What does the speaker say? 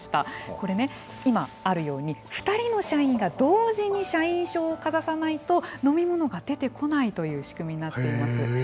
これ、今あるように２人の社員が同時に社員証をかざさないと飲み物が出てこないという仕組みになっています。